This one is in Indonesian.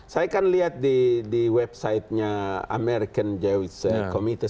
saya kan lihat di website nya american jewish committee